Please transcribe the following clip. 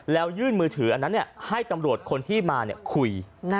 แล้วยื่นมือถืออันนั้นให้ตำรวจคนที่มาคุย